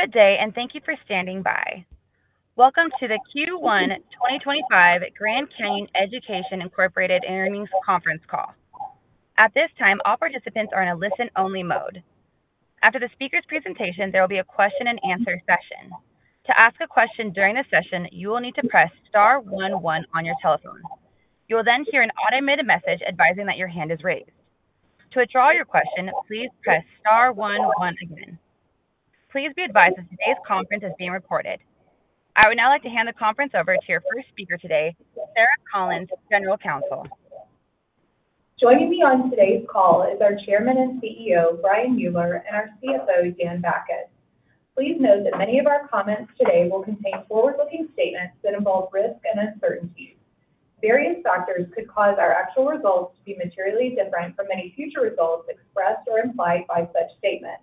Good day, and thank you for standing by. Welcome to the Q1 2025 Grand Canyon Education Interviews Conference Call. At this time, all participants are in a listen-only mode. After the speaker's presentation, there will be a question-and-answer session. To ask a question during the session, you will need to press star one one on your telephone. You will then hear an automated message advising that your hand is raised. To withdraw your question, please press star one one again. Please be advised that today's conference is being recorded. I would now like to hand the conference over to your first speaker today, Sarah Collins, General Counsel. Joining me on today's call is our Chairman and CEO, Brian Mueller, and our CFO, Dan Bachus. Please note that many of our comments today will contain forward-looking statements that involve risk and uncertainty. Various factors could cause our actual results to be materially different from many future results expressed or implied by such statements.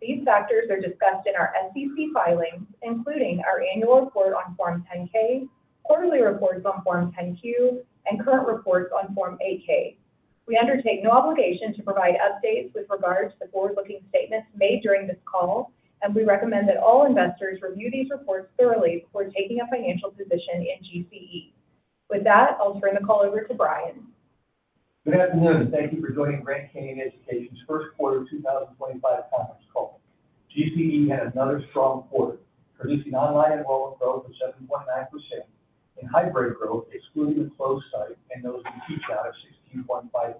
These factors are discussed in our SEC filings, including our annual report on Form 10-K, quarterly reports on Form 10-Q, and current reports on Form 8-K. We undertake no obligation to provide updates with regard to the forward-looking statements made during this call, and we recommend that all investors review these reports thoroughly before taking a financial position in GCE. With that, I'll turn the call over to Brian. Good afternoon. Thank you for joining Grand Canyon Education's first quarter 2025 conference call. GCE had another strong quarter, producing online enrollment growth of 7.9% and hybrid growth, excluding the closed site and those in teaching out, of 16.5%.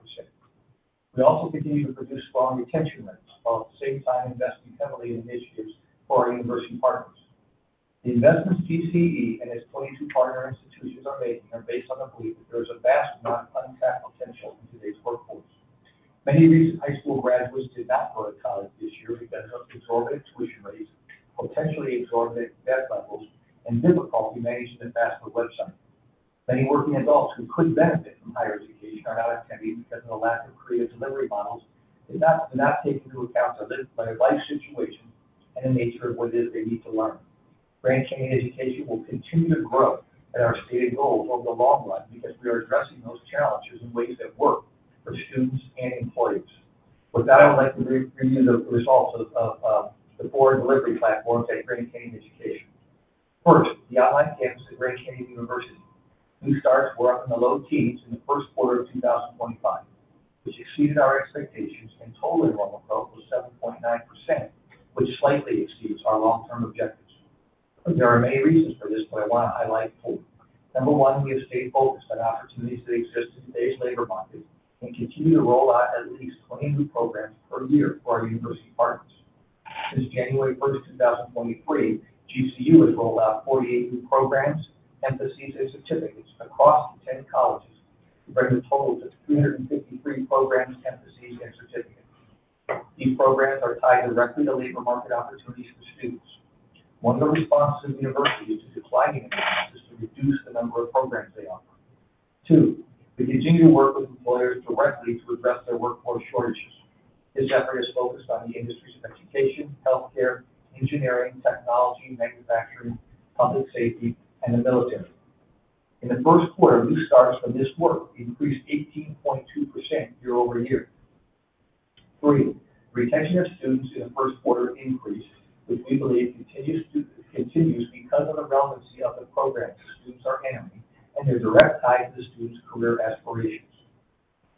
We also continue to produce strong retention rates, while at the same time investing heavily in initiatives for our university partners. The investments GCE and its 22 partner institutions are making are based on the belief that there is a vast amount of untapped potential in today's workforce. Many recent high school graduates did not go to college this year because of exorbitant tuition rates, potentially exorbitant debt levels, and difficulty managing the FAFSA website. Many working adults who could benefit from higher education are not attending because of the lack of creative delivery models and not taking into account their life situation and the nature of what it is they need to learn. Grand Canyon Education will continue to grow at our stated goals over the long run because we are addressing those challenges in ways that work for students and employers. With that, I would like to review the results of the four delivery platforms at Grand Canyon Education. First, the online campus at Grand Canyon University. We started working the low teens in the first quarter of 2025, which exceeded our expectations, and total enrollment growth was 7.9%, which slightly exceeds our long-term objectives. There are many reasons for this, but I want to highlight 4. Number 1, we have stayed focused on opportunities that exist in today's labor markets and continue to roll out at least 20 new programs per year for our university partners. Since January 1, 2023, GCU has rolled out 48 new programs, emphases, and certificates across the 10 colleges, bringing the total to 353 programs, emphases, and certificates. These programs are tied directly to labor market opportunities for students. One of the responses of the university is to decline emphasis to reduce the number of programs they offer. 2, we continue to work with employers directly to address their workforce shortages. This effort is focused on the industries of education, healthcare, engineering, technology, manufacturing, public safety, and the military. In the first quarter, new starts from this work increased 18.2% year over year. 3, retention of students in the first quarter increased, which we believe continues because of the relevancy of the programs students are handling and their direct ties to the students' career aspirations.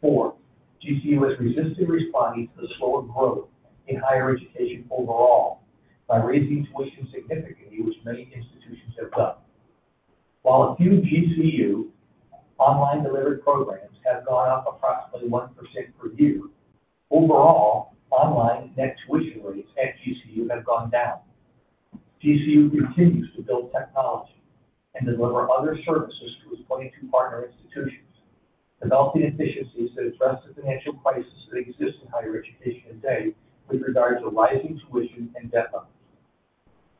Four, GCU is resisting responding to the slow growth in higher education overall by raising tuition significantly, which many institutions have done. While a few GCU online delivery programs have gone up approximately 1% per year, overall online net tuition rates at GCU have gone down. GCU continues to build technology and deliver other services to its 22 partner institutions, developing efficiencies to address the financial crisis that exists in higher education today with regard to rising tuition and debt levels.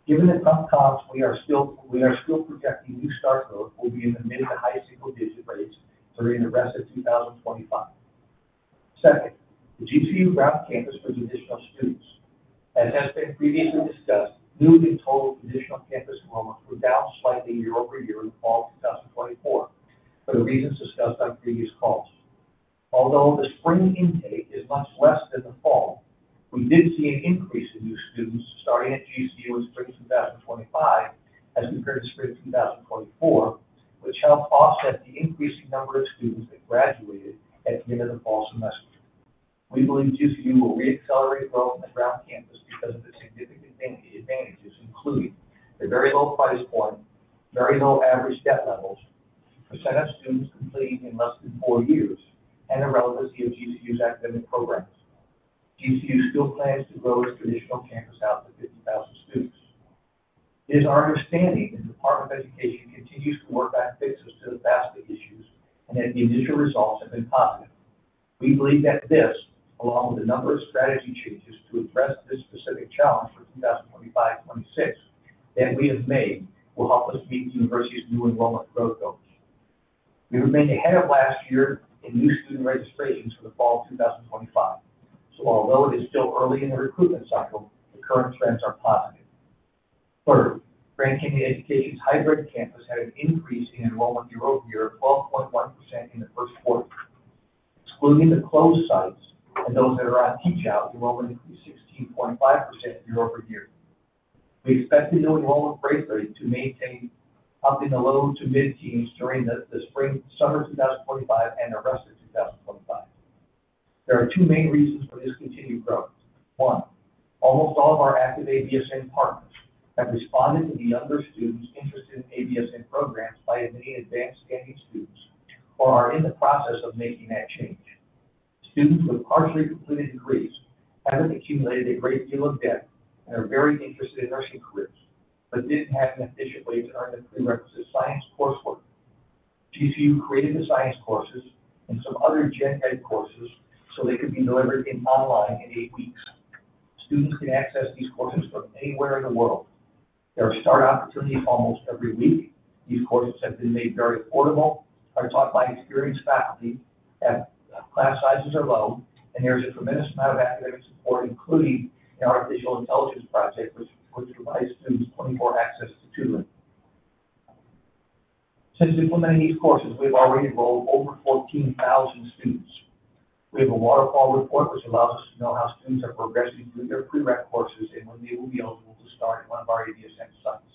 Given the tough costs, we are still projecting new starts growth will be in the mid to high single-digit rates during the rest of 2025. Second, the GCU ground campus for traditional students. As has been previously discussed, new and total traditional campus enrollments were down slightly year over year in the fall of 2024 for the reasons discussed on previous calls. Although the spring intake is much less than the fall, we did see an increase in new students starting at GCU in spring 2025 as compared to spring 2024, which helped offset the increasing number of students that graduated at the end of the fall semester. We believe GCU will re-accelerate growth on the ground campus because of its significant advantages, including the very low price point, very low average debt levels, % of students completing in less than four years, and the relevancy of GCU's academic programs. GCU still plans to grow its traditional campus out to 50,000 students. It is our understanding that the Department of Education continues to work on fixes to the FAFSA issues and that the initial results have been positive. We believe that this, along with a number of strategy changes to address this specific challenge for 2025-2026 that we have made, will help us meet the university's new enrollment growth goals. We remained ahead of last year in new student registrations for the fall of 2025. Although it is still early in the recruitment cycle, the current trends are positive. Third, Grand Canyon Education's hybrid campus had an increase in enrollment year over year of 12.1% in the first quarter. Excluding the closed sites and those that are on teach-out, enrollment increased 16.5% year over year. We expect the new enrollment rate to maintain up in the low to mid-teens during the spring summer 2025 and the rest of 2025. There are 2 main reasons for this continued growth. one, almost all of our active ABSN partners have responded to the younger students interested in ABSN programs by admitting advanced standing students or are in the process of making that change. Students with partially completed degrees have not accumulated a great deal of debt and are very interested in nursing careers but did not have an efficient way to earn the prerequisite science coursework. GCU created the science courses and some other gen-ed courses so they could be delivered online in eight weeks. Students can access these courses from anywhere in the world. There are start opportunities almost every week. These courses have been made very affordable, are taught by experienced faculty, class sizes are low, and there is a tremendous amount of academic support, including an artificial intelligence project which provides students 24-hour access to tutoring. Since implementing these courses, we have already enrolled over 14,000 students. We have a waterfall report which allows us to know how students are progressing through their pre-req courses and when they will be eligible to start at one of our ABSN sites.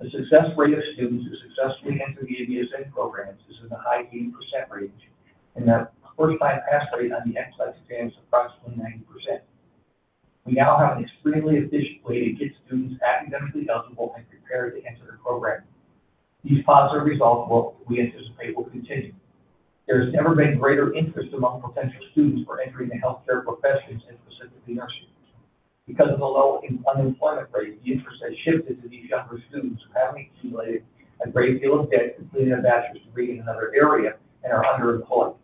The success rate of students who successfully enter the ABSN programs is in the high 80% range, and that first-time pass rate on the exit exams is approximately 90%. We now have an extremely efficient way to get students academically eligible and prepared to enter the program. These positive results, we anticipate, will continue. There has never been greater interest among potential students for entering the healthcare professions and specifically nursing. Because of the low unemployment rate, the interest has shifted to these younger students who have not accumulated a great deal of debt, completing a bachelor's degree in another area, and are underemployed.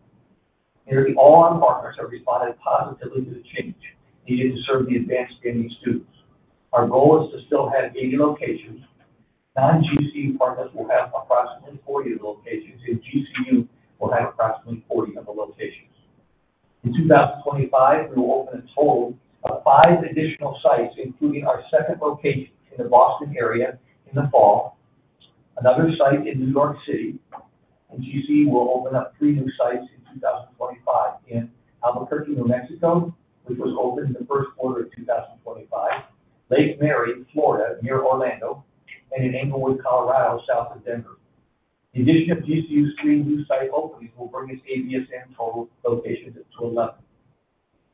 Nearly all our partners have responded positively to the change needed to serve the advanced standing students. Our goal is to still have 80 locations. Non-GCU partners will have approximately 40 of the locations, and GCU will have approximately 40 of the locations. In 2025, we will open a total of five additional sites, including our second location in the Boston area in the fall, another site in New York City, and GCU will open up 3 new sites in 2025 in Albuquerque, New Mexico, which was opened in the first quarter of 2025, Lake Mary, Florida, near Orlando, and in Englewood, Colorado, south of Denver. The addition of GCU's 3 new site openings will bring its ABSN total locations to 11.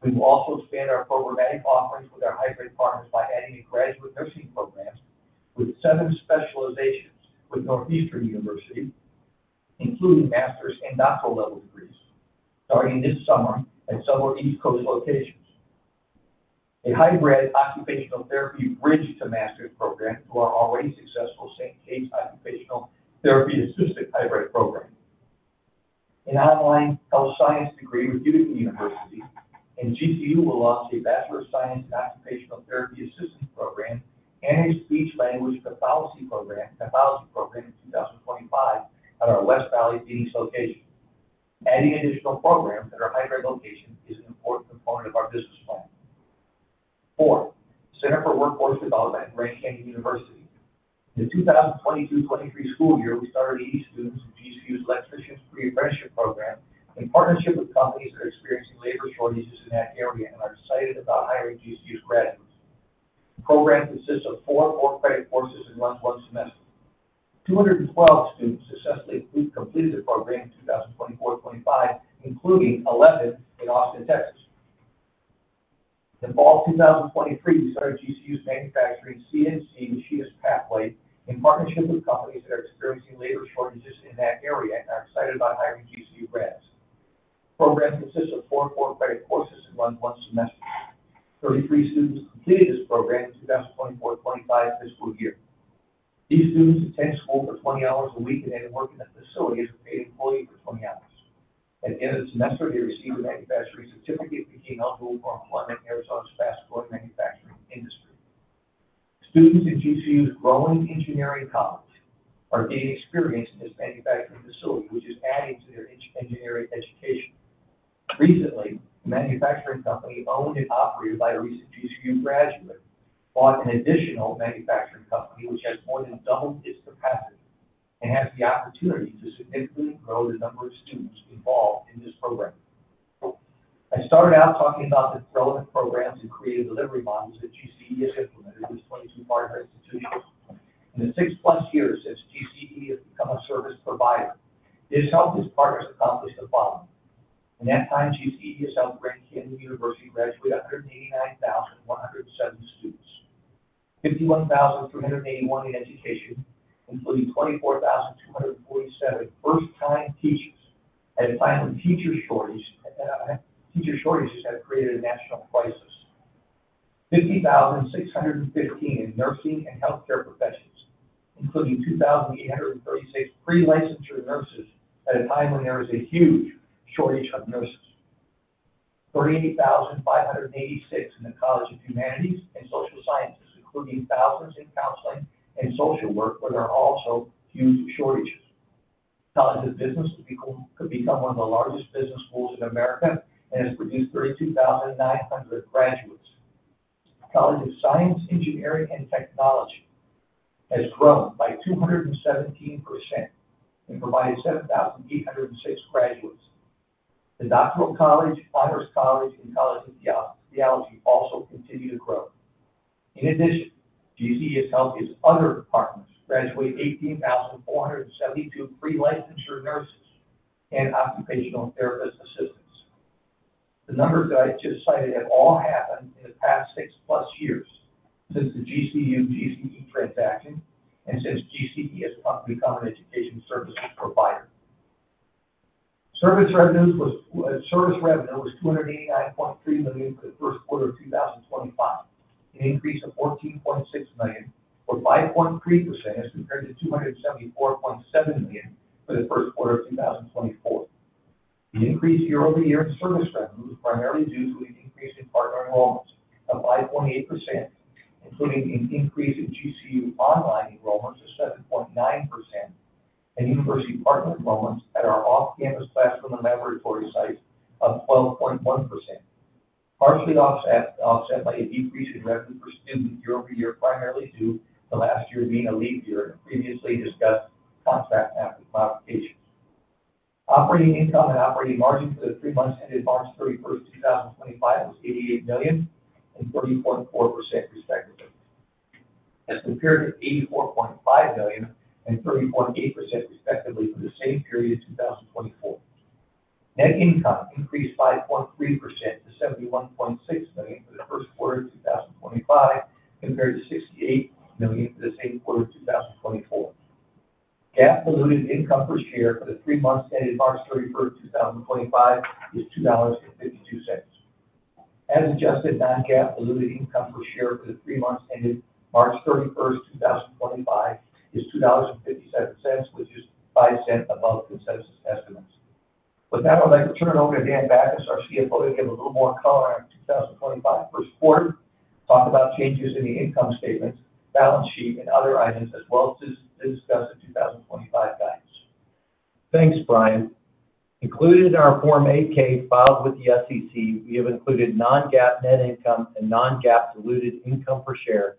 We will also expand our programmatic offerings with our hybrid partners by adding a graduate nursing program with seven specializations with Northeastern University, including master's and doctoral level degrees, starting this summer at several East Coast locations. A hybrid occupational therapy bridge to master's program through our already successful St. Kate's Occupational Therapy Assistant hybrid program. An online health science degree with Utica University, and GCU will launch a Bachelor of Science in Occupational Therapy Assistant program and a Speech Language Pathology program in 2025 at our West Valley Phoenix location. Adding additional programs at our hybrid location is an important component of our business plan. Four, Center for Workforce Development at Grand Canyon University. In the 2022-2023 school year, we started 80 students in GCU's electrician's pre-apprenticeship program in partnership with companies that are experiencing labor shortages in that area and are excited about hiring GCU's graduates. The program consists of four four-credit courses and runs one semester. 212 students successfully completed the program in 2024-2025, including 11 in Austin, Texas. In fall 2023, we started CNC Machinist pathway in partnership with companies that are experiencing labor shortages in that area and are excited about hiring GCU grads. The program consists of four four-credit courses and runs one semester. 33 students completed this program in the 2024-2025 fiscal year. These students attend school for 20 hours a week and then work in the facility as a paid employee for 20 hours. At the end of the semester, they received a manufacturing certificate and became eligible for employment in Arizona's fast-growing manufacturing industry. Students in GCU's growing engineering college are gaining experience in this manufacturing facility, which is adding to their engineering education. Recently, a manufacturing company owned and operated by a recent GCU graduate bought an additional manufacturing company, which has more than doubled its capacity and has the opportunity to significantly grow the number of students involved in this program. I started out talking about the relevant programs and creative delivery models that GCE has implemented with 22 partner institutions. In the 6-plus years since GCE has become a service provider, it has helped its partners accomplish the following. In that time, GCE has helped Grand Canyon University graduate 189,170 students, 51,381 in education, including 24,247 first-time teachers. At a time when teacher shortages have created a national crisis, 50,615 in nursing and healthcare professions, including 2,836 pre-licensure nurses at a time when there was a huge shortage of nurses, 38,586 in the College of Humanities and Social Sciences, including thousands in counseling and social work, where there are also huge shortages. College of Business could become one of the largest business schools in America and has produced 32,900 graduates. College of Science, Engineering, and Technology has grown by 217% and provided 7,806 graduates. The Doctoral College, Honors College, and College of Theology also continue to grow. In addition, GCE has helped its other partners graduate 18,472 pre-licensure nurses and occupational therapist assistants. The numbers that I just cited have all happened in the past six-plus years since the GCU-GCE transaction and since GCE has become an education services provider. Service revenue was $289.3 million for the first quarter of 2025, an increase of $14.6 million or 5.3% as compared to $274.7 million for the first quarter of 2024. The increase year over year in service revenue was primarily due to an increase in partner enrollments of 5.8%, including an increase in GCU online enrollments of 7.9%, and university partner enrollments at our off-campus classroom and laboratory sites of 12.1%, partially offset by a decrease in revenue for students year over year, primarily due to the last year being a leap year in the previously discussed contract pathway modifications. Operating income and operating margin for the three months ended March 31, 2025, was $88 million and 34.4% respectively, as compared to $84.5 million and 34.8% respectively for the same period in 2024. Net income increased 5.3% to $71.6 million for the first quarter of 2025, compared to $68 million for the same quarter of 2024. GAAP diluted income per share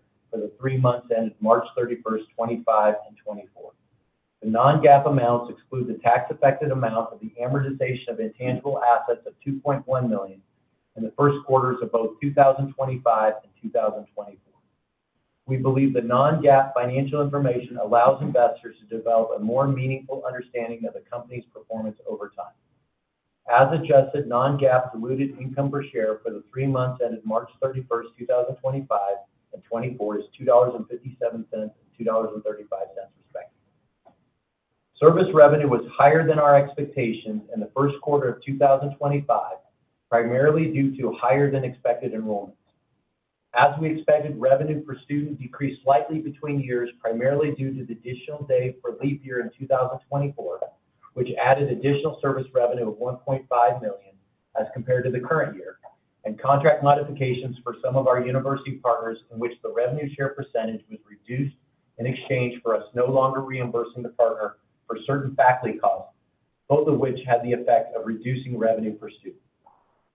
and 2024 is $2.57 and $2.35 respectively. Service revenue was higher than our expectations in the first quarter of 2025, primarily due to higher-than-expected enrollments. As we expected, revenue per student decreased slightly between years, primarily due to the additional day for leap year in 2024, which added additional service revenue of $1.5 million as compared to the current year, and contract modifications for some of our university partners in which the revenue share percentage was reduced in exchange for us no longer reimbursing the partner for certain faculty costs, both of which had the effect of reducing revenue per student.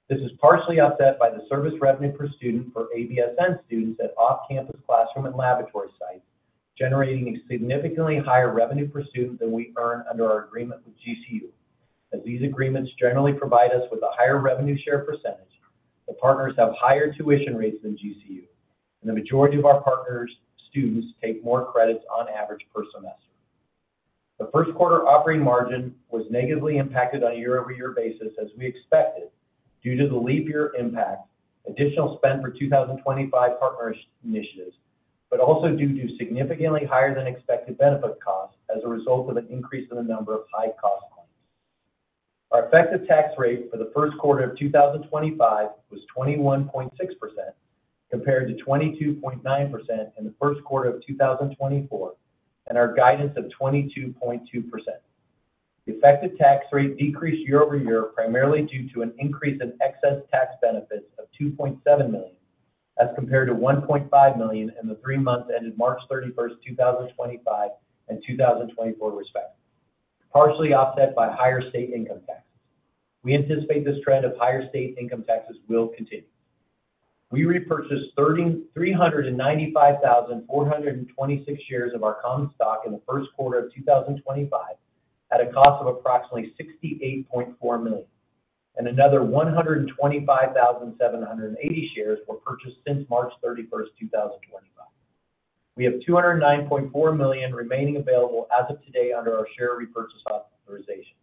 This is partially offset by the service revenue per student for ABSN students at off-campus classroom and laboratory sites, generating a significantly higher revenue per student than we earn under our agreement with GCU. As these agreements generally provide us with a higher revenue share percentage, the partners have higher tuition rates than GCU, and the majority of our partner students take more credits on average per semester. The first quarter operating margin was negatively impacted on a year-over-year basis, as we expected due to the leap year impact, additional spend for 2025 partner initiatives, but also due to significantly higher-than-expected benefit costs as a result of an increase in the number of high-cost claims. Our effective tax rate for the first quarter of 2025 was 21.6% compared to 22.9% in the first quarter of 2024, and our guidance of 22.2%. The effective tax rate decreased year-over-year, primarily due to an increase in excess tax benefits of $2.7 million as compared to $1.5 million in the three months ended March 31, 2025 and 2024 respectively, partially offset by higher state income taxes. We anticipate this trend of higher state income taxes will continue. We repurchased 395,426 shares of our common stock in the first quarter of 2025 at a cost of approximately $68.4 million, and another 125,780 shares were purchased since March 31, 2025. We have $209.4 million remaining available as of today under our share repurchase authorization.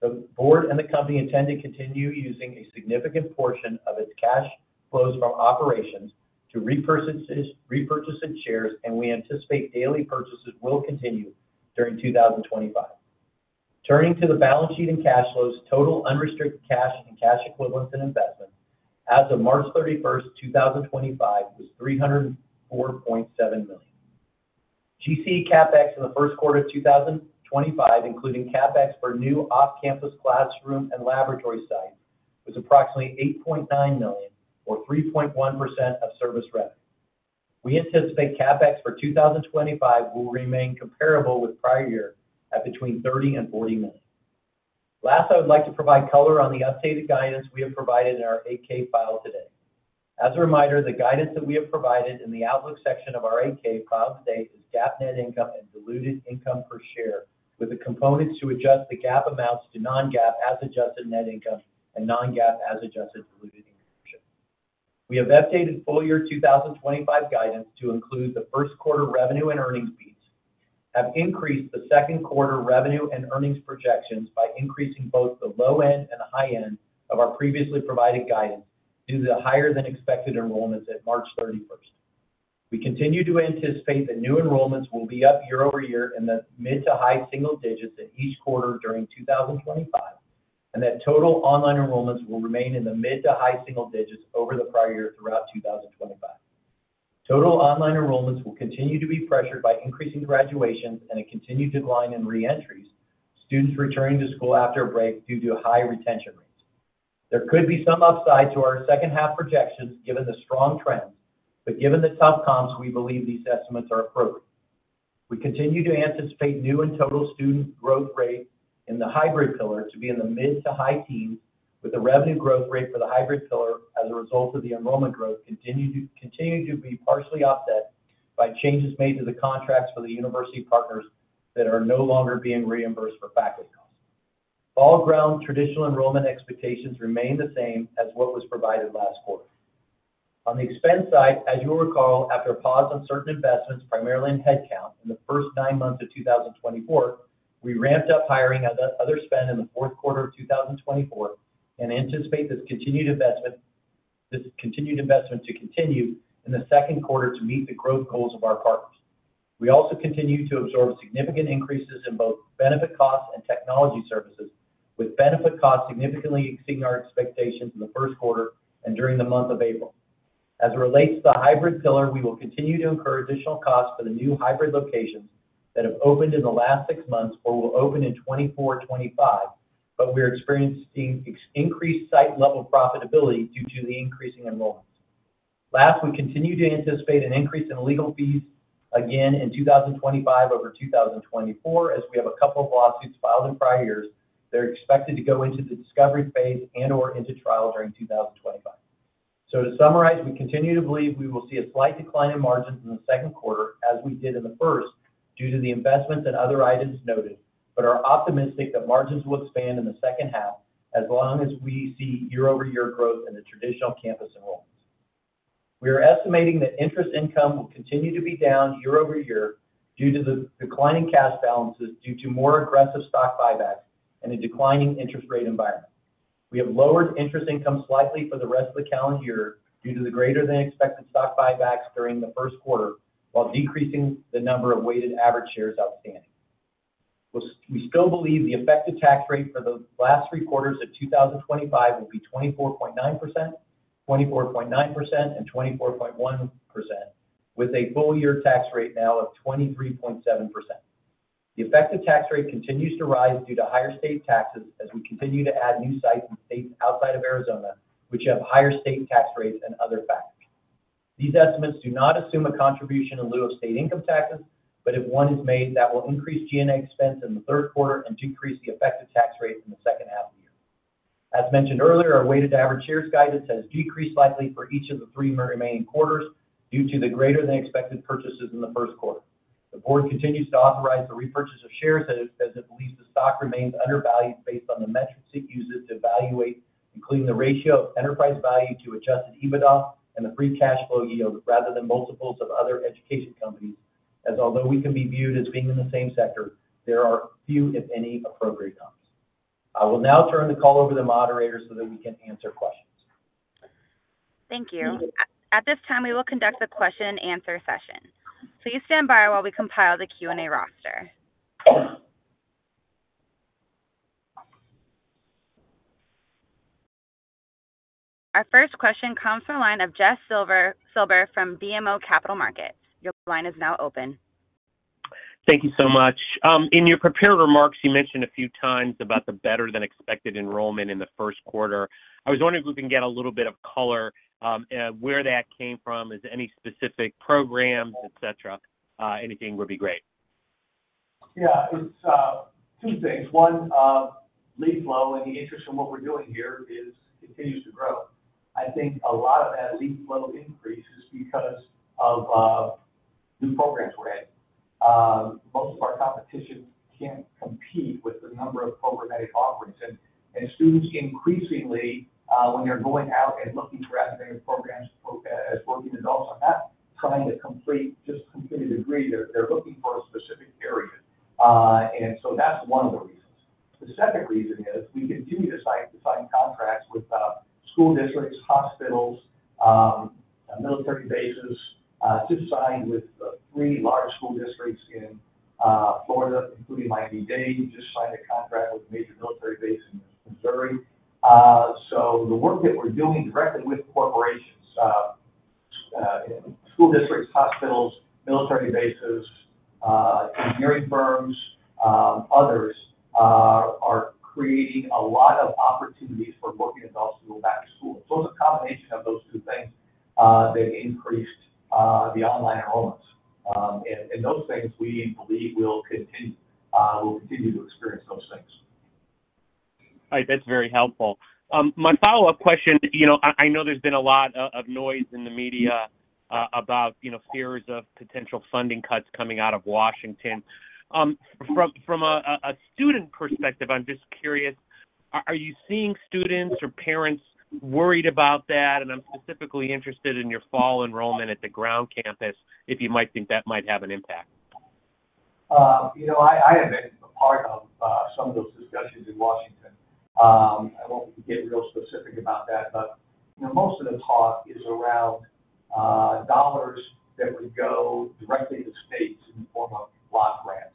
The board and the company intend to continue using a significant portion of its cash flows from operations to repurchase its shares, and we anticipate daily purchases will continue during 2025. Turning to the balance sheet and cash flows, total unrestricted cash and cash equivalents in investment as of March 31, 2025, was $304.7 million. GCE CAPEX in the first quarter of 2025, including CAPEX for new off-campus classroom and laboratory sites, was approximately $8.9 million or 3.1% of service revenue. We anticipate CAPEX for 2025 will remain comparable with prior year at between $30 million and $40 million. Last, I would like to provide color on the updated guidance we have provided in our 8-K file today. As a reminder, the guidance that we have provided in the Outlook section of our 8-K file today is GAAP net income and diluted income per share, with the components to adjust the GAAP amounts to non-GAAP as adjusted net income and non-GAAP as adjusted diluted income. We have updated full year 2025 guidance to include the first quarter revenue and earnings beats, have increased the second quarter revenue and earnings projections by increasing both the low end and high end of our previously provided guidance due to the higher-than-expected enrollments at March 31. We continue to anticipate that new enrollments will be up year over year in the mid to high single digits in each quarter during 2025, and that total online enrollments will remain in the mid to high single digits over the prior year throughout 2025. Total online enrollments will continue to be pressured by increasing graduations and a continued decline in re-entries, students returning to school after a break due to high retention rates. There could be some upside to our second-half projections given the strong trends, but given the tough comps, we believe these estimates are appropriate. We continue to anticipate new and total student growth rate in the hybrid pillar to be in the mid to high teens, with the revenue growth rate for the hybrid pillar as a result of the enrollment growth continuing to be partially offset by changes made to the contracts for the university partners that are no longer being reimbursed for faculty costs. Ground, traditional enrollment expectations remain the same as what was provided last quarter. On the expense side, as you'll recall, after a pause on certain investments, primarily in headcount in the first nine months of 2024, we ramped up hiring and other spend in the fourth quarter of 2024 and anticipate this continued investment to continue in the second quarter to meet the growth goals of our partners. We also continue to absorb significant increases in both benefit costs and technology services, with benefit costs significantly exceeding our expectations in the first quarter and during the month of April. As it relates to the hybrid pillar, we will continue to incur additional costs for the new hybrid locations that have opened in the last six months or will open in 2024-2025, but we are experiencing increased site-level profitability due to the increasing enrollments. Last, we continue to anticipate an increase in legal fees again in 2025 over 2024, as we have a couple of lawsuits filed in prior years that are expected to go into the discovery phase and/or into trial during 2025. To summarize, we continue to believe we will see a slight decline in margins in the second quarter, as we did in the first, due to the investments and other items noted, but are optimistic that margins will expand in the second half as long as we see year-over-year growth in the traditional campus enrollments. We are estimating that interest income will continue to be down year-over-year due to the declining cash balances due to more aggressive stock buybacks and a declining interest rate environment. We have lowered interest income slightly for the rest of the calendar year due to the greater-than-expected stock buybacks during the first quarter, while decreasing the number of weighted average shares outstanding. We still believe the effective tax rate for the last three quarters of 2025 will be 24.9%, 24.9%, and 24.1%, with a full year tax rate now of 23.7%. The effective tax rate continues to rise due to higher state taxes as we continue to add new sites and states outside of Arizona, which have higher state tax rates and other factors. These estimates do not assume a contribution in lieu of state income taxes, but if one is made, that will increase G&A expense in the third quarter and decrease the effective tax rate in the second half of the year. As mentioned earlier, our weighted average shares guidance has decreased slightly for each of the three remaining quarters due to the greater-than-expected purchases in the first quarter. The board continues to authorize the repurchase of shares as it believes the stock remains undervalued based on the metrics it uses to evaluate, including the ratio of enterprise value to adjusted EBITDA and the free cash flow yield rather than multiples of other education companies, as although we can be viewed as being in the same sector, there are few, if any, appropriate comps. I will now turn the call over to the moderator so that we can answer questions. Thank you. At this time, we will conduct the question-and-answer session. Please stand by while we compile the Q&A roster. Our first question comes from a line of Jess Silber from BMO Capital Markets. Your line is now open. Thank you so much. In your prepared remarks, you mentioned a few times about the better-than-expected enrollment in the first quarter. I was wondering if we can get a little bit of color where that came from, any specific programs, etc. Anything would be great. Yeah. It's two things. One, leap flow and the interest in what we're doing here continues to grow. I think a lot of that leap flow increase is because of new programs we're adding. Most of our competition can't compete with the number of programmatic offerings. And students increasingly, when they're going out and looking for academic programs as working adults, are not trying to complete just complete a degree. They're looking for a specific area. And so that's one of the reasons. The second reason is we continue to sign contracts with school districts, hospitals, military bases, just signed with three large school districts in Florida, including Miami-Dade. We just signed a contract with a major military base in Missouri. The work that we're doing directly with corporations, school districts, hospitals, military bases, engineering firms, others are creating a lot of opportunities for working adults to go back to school. It's a combination of those two things that increased the online enrollments. Those things we believe will continue. We'll continue to experience those things. All right. That's very helpful. My follow-up question, I know there's been a lot of noise in the media about fears of potential funding cuts coming out of Washington. From a student perspective, I'm just curious, are you seeing students or parents worried about that? I'm specifically interested in your fall enrollment at the ground campus, if you might think that might have an impact. I have been a part of some of those discussions in Washington. I won't get real specific about that, but most of the talk is around dollars that would go directly to states in the form of block grants.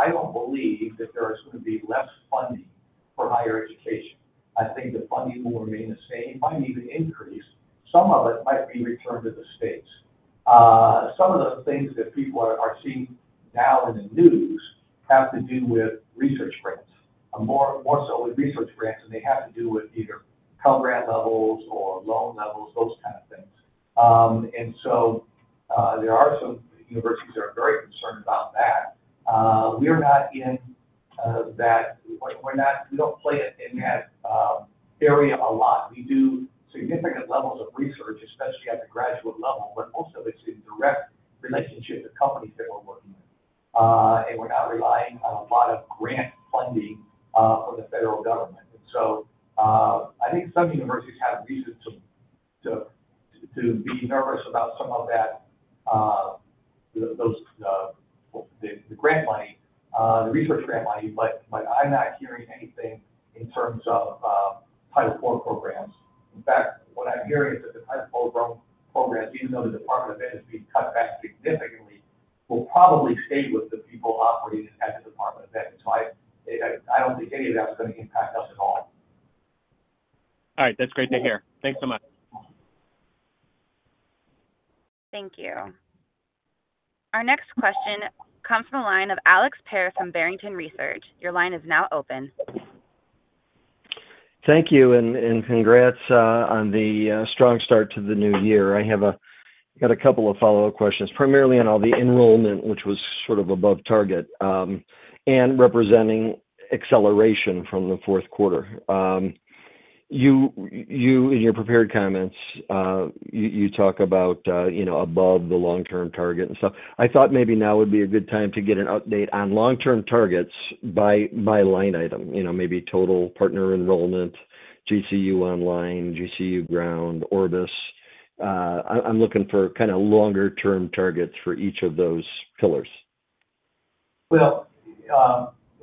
I don't believe that there is going to be less funding for higher education. I think the funding will remain the same. It might even increase. Some of it might be returned to the states. Some of the things that people are seeing now in the news have to do with research grants, more so with research grants, and they have to do with either Pell Grant levels or loan levels, those kind of things. There are some universities that are very concerned about that. We are not in that. We don't play in that area a lot. We do significant levels of research, especially at the graduate level, but most of it's in direct relationship to companies that we're working with. We're not relying on a lot of grant funding from the federal government. I think some universities have reason to be nervous about some of the grant money, the research grant money, but I'm not hearing anything in terms of Title IV programs. In fact, what I'm hearing is that the Title IV programs, even though the Department of Ed is being cut back significantly, will probably stay with the people operating at the Department of Ed. I don't think any of that's going to impact us at all. All right. That's great to hear. Thanks so much. Thank you. Our next question comes from a line of Alex Perry from Barrington Research. Your line is now open. Thank you and congrats on the strong start to the new year. I have a couple of follow-up questions, primarily on all the enrollment, which was sort of above target, and representing acceleration from the fourth quarter. In your prepared comments, you talk about above the long-term target and stuff. I thought maybe now would be a good time to get an update on long-term targets by line item, maybe total partner enrollment, GCU Online, GCU Ground, Orbis. I'm looking for kind of longer-term targets for each of those pillars.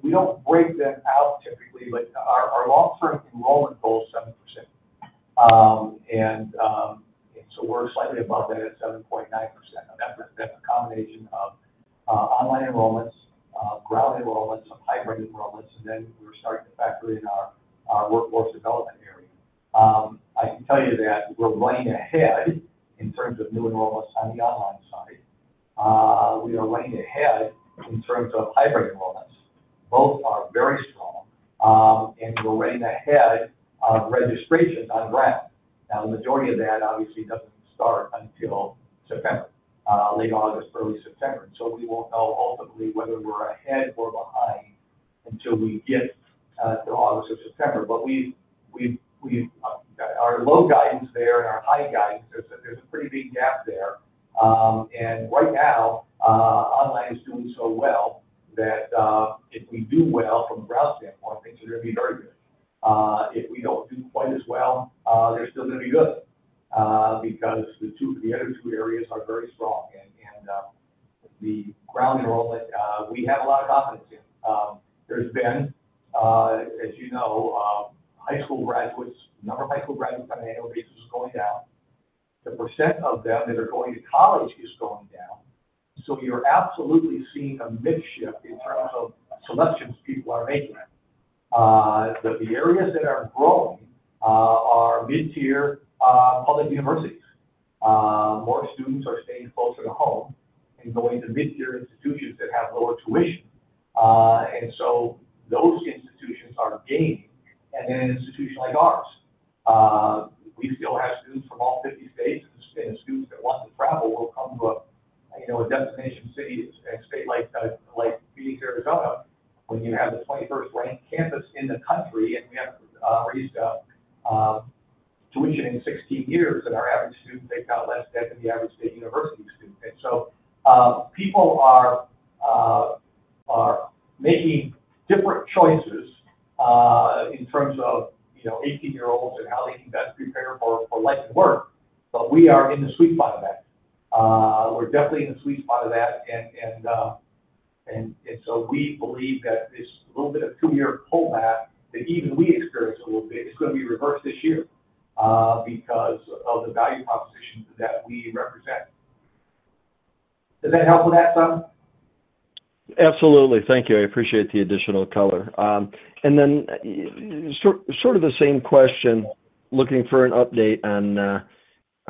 We don't break them out typically, but our long-term enrollment goal is 7%. And so we're slightly above that at 7.9%. That's a combination of online enrollments, ground enrollments, some hybrid enrollments, and then we're starting to factor in our workforce development area. I can tell you that we're running ahead in terms of new enrollments on the online side. We are running ahead in terms of hybrid enrollments. Both are very strong. We're running ahead of registrations on ground. Now, the majority of that obviously does not start until September, late August, early September. We will not know ultimately whether we're ahead or behind until we get through August or September. Our low guidance there and our high guidance, there's a pretty big gap there. Right now, online is doing so well that if we do well from a ground standpoint, things are going to be very good. If we do not do quite as well, they're still going to be good because the other two areas are very strong. The ground enrollment, we have a lot of confidence in. There's been, as you know, high school graduates, the number of high school graduates on an annual basis is going down. The % of them that are going to college is going down. You're absolutely seeing a mixture in terms of selections people are making. The areas that are growing are mid-tier public universities. More students are staying closer to home and going to mid-tier institutions that have lower tuition. Those institutions are gaining. An institution like ours, we still have students from all 50 states. The students that want to travel will come to a destination city and state like Phoenix, Arizona, when you have the 21st-ranked campus in the country, and we have not raised tuition in 16 years, and our average student takes out less debt than the average state university student. People are making different choices in terms of 18-year-olds and how they can best prepare for life and work. We are in the sweet spot of that. We are definitely in the sweet spot of that. We believe that this little bit of two-year pullback that even we experience a little bit, it is going to be reversed this year because of the value proposition that we represent. Does that help with that some? Absolutely. Thank you. I appreciate the additional color. Sort of the same question, looking for an update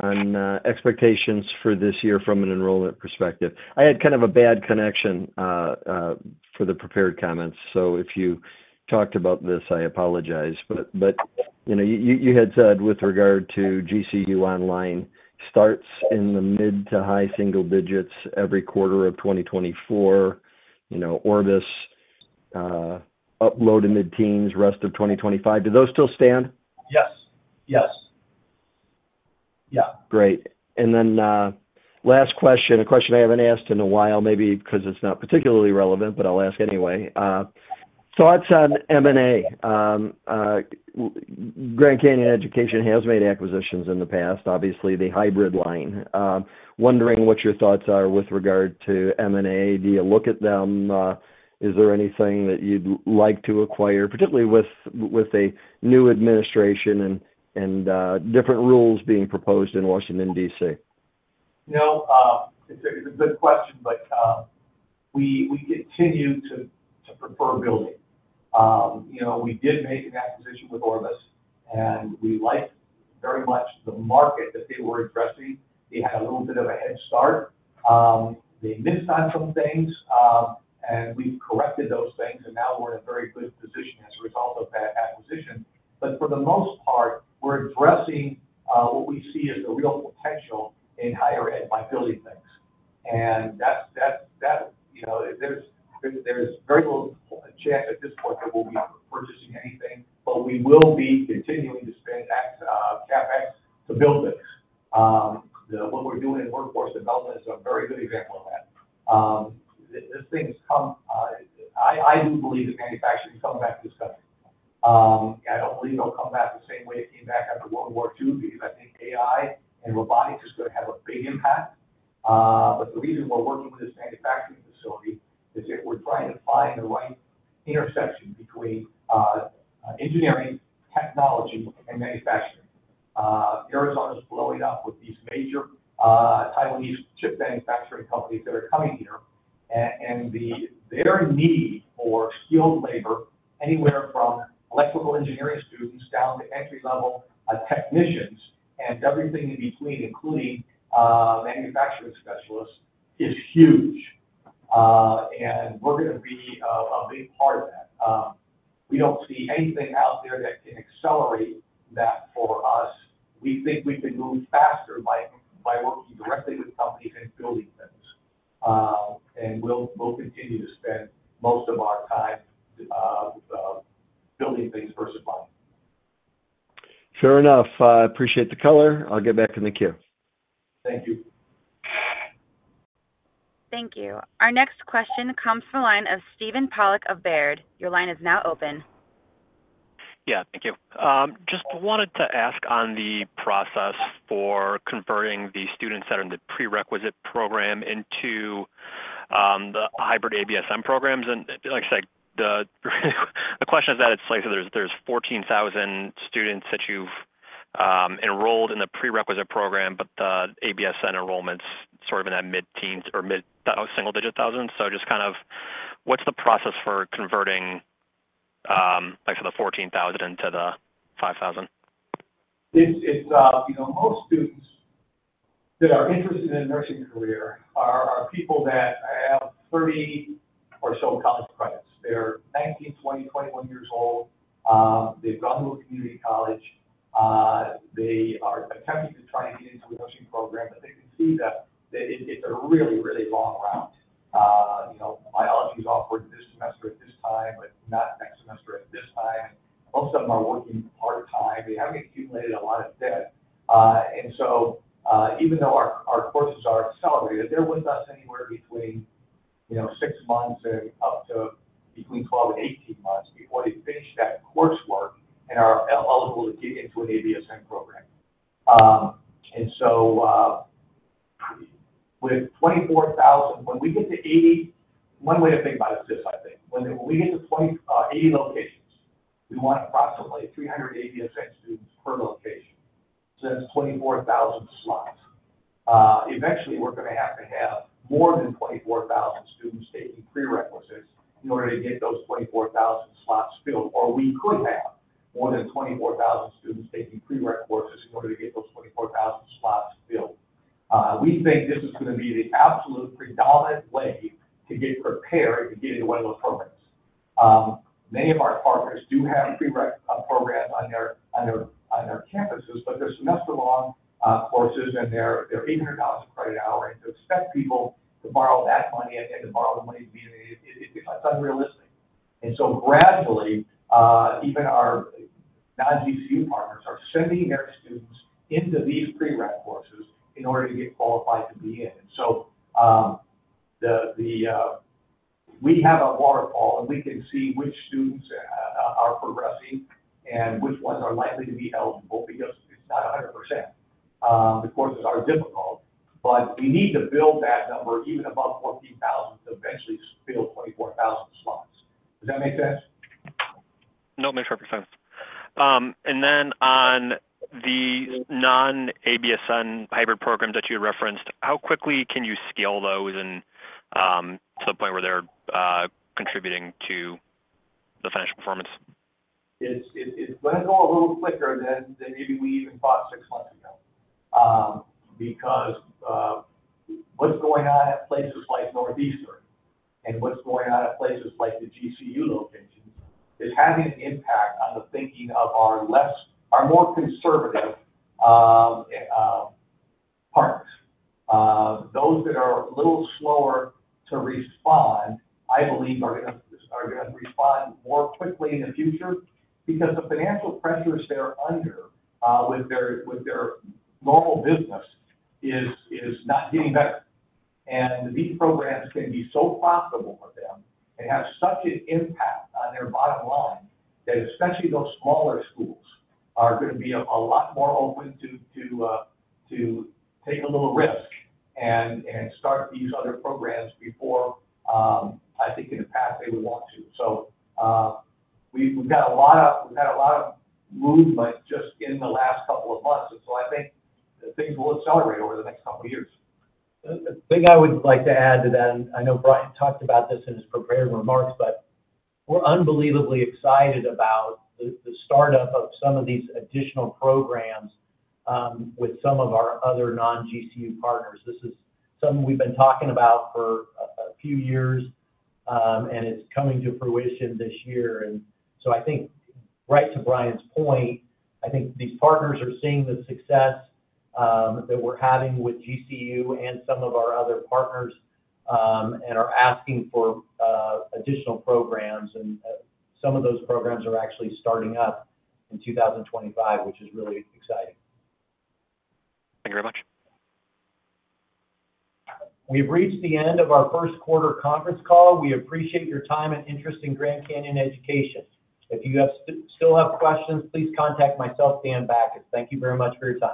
on expectations for this year from an enrollment perspective. I had kind of a bad connection for the prepared comments. If you talked about this, I apologize. You had said with regard to GCU Online, starts in the mid to high single digits every quarter of 2024, Orbis, upload in the teens, rest of 2025. Do those still stand? Yes. Yes. Yeah. Great. Last question, a question I haven't asked in a while, maybe because it's not particularly relevant, but I'll ask anyway. Thoughts on M&A? Grand Canyon Education has made acquisitions in the past, obviously the hybrid line. Wondering what your thoughts are with regard to M&A. Do you look at them? Is there anything that you'd like to acquire, particularly with a new administration and different rules being proposed in Washington, DC? No, it's a good question, but we continue to prefer building. We did make an acquisition with Orbis, and we liked very much the market that they were addressing. They had a little bit of a head start. They missed on some things, and we've corrected those things. Now we're in a very good position as a result of that acquisition. For the most part, we're addressing what we see as the real potential in higher ed by building things. There's very little chance at this point that we'll be purchasing anything, but we will be continuing to spend CapEx to build things. What we're doing in workforce development is a very good example of that. As things come, I do believe that manufacturing is coming back to this country. I don't believe they'll come back the same way it came back after World War II because I think AI and robotics is going to have a big impact. The reason we're working with this manufacturing facility is if we're trying to find the right intersection between engineering, technology, and manufacturing. Arizona's blowing up with these major Taiwanese chip manufacturing companies that are coming here. Their need for skilled labor anywhere from electrical engineering students down to entry-level technicians and everything in between, including manufacturing specialists, is huge. We're going to be a big part of that. We don't see anything out there that can accelerate that for us. We think we can move faster by working directly with companies and building things. We'll continue to spend most of our time building things versus buying. Fair enough. I appreciate the color. I'll get back in the queue. Thank you. Thank you. Our next question comes from a line of Steven Pollock of Baird. Your line is now open. Yeah. Thank you. Just wanted to ask on the process for converting the students that are in the prerequisite program into the hybrid ABSN programs. Like I said, the question is that it's like there's 14,000 students that you've enrolled in the prerequisite program, but the ABSN enrollment's sort of in that mid-teens or mid-single digit thousands. Just kind of what's the process for converting, like I said, the 14,000 into the 5,000? Most students that are interested in a nursing career are people that have 30 or so college credits. They're 19, 20, 21 years old. They've gone to a community college. They are attempting to try to get into a nursing program, but they can see that it's a really, really long route. Biology's offered this semester at this time, but not next semester at this time. Most of them are working part-time. They haven't accumulated a lot of debt. Even though our courses are accelerated, they're with us anywhere between six months and up to between 12 and 18 months before they finish that coursework and are eligible to get into an ABSN program. With 24,000, when we get to 80, one way to think about it is this, I think. When we get to 80 locations, we want approximately 300 ABSN students per location. That's 24,000 slots. Eventually, we're going to have to have more than 24,000 students taking prerequisites in order to get those 24,000 slots filled. Or we could have more than 24,000 students taking prerequisites in order to get those 24,000 slots filled. We think this is going to be the absolute predominant way to get prepared to get into one of those programs. Many of our partners do have prereq programs on their campuses, but they're semester-long courses, and they're 800,000 credit hours. To expect people to borrow that money and to borrow the money to be in it, it's unrealistic. Gradually, even our non-GCU partners are sending their students into these prereq courses in order to get qualified to be in. We have a waterfall, and we can see which students are progressing and which ones are likely to be eligible because it's not 100%. The courses are difficult, but we need to build that number even above 14,000 to eventually fill 24,000 slots. Does that make sense? No, it makes perfect sense. On the non-ABSN hybrid programs that you referenced, how quickly can you scale those to the point where they're contributing to the financial performance? It's going to go a little quicker than maybe we even thought six months ago because what's going on at places like Northeastern and what's going on at places like the GCU locations is having an impact on the thinking of our more conservative partners. Those that are a little slower to respond, I believe, are going to respond more quickly in the future because the financial pressures they're under with their normal business is not getting better. These programs can be so profitable for them and have such an impact on their bottom line that especially those smaller schools are going to be a lot more open to take a little risk and start these other programs before, I think, in the past they would want to. We've had a lot of movement just in the last couple of months. I think things will accelerate over the next couple of years. The thing I would like to add to that, and I know Brian talked about this in his prepared remarks, but we're unbelievably excited about the startup of some of these additional programs with some of our other non-GCU partners. This is something we've been talking about for a few years, and it's coming to fruition this year. I think, right to Brian's point, I think these partners are seeing the success that we're having with GCU and some of our other partners and are asking for additional programs. Some of those programs are actually starting up in 2025, which is really exciting. Thank you very much. We've reached the end of our first quarter conference call. We appreciate your time and interest in Grand Canyon Education. If you still have questions, please contact myself, Dan Bachus. Thank you very much for your time.